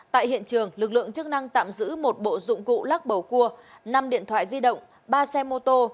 tại hiện trường lực lượng chức năng tạm giữ một bộ dụng cụ lắc bầu cua năm điện thoại di động ba xe mô tô